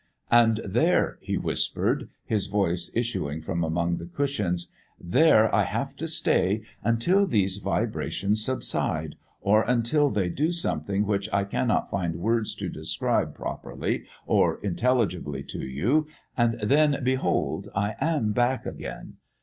"And there," he whispered, his voice issuing from among the cushions, "there I have to stay until these vibrations subside, or until they do something which I cannot find words to describe properly or intelligibly to you and then, behold, I am back again.